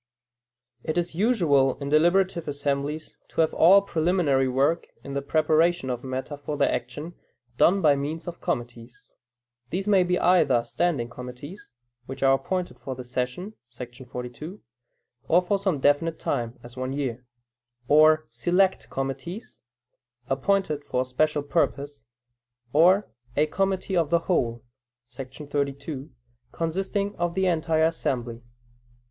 It is usual in deliberative assemblies, to have all preliminary work in the preparation of matter for their action, done by means of committees. These may be either "standing committees" (which are appointed for the session [§ 42], or for some definite time, as one year); or "select committees," appointed for a special purpose; or a "committee of the whole" [§ 32], consisting of the entire assembly.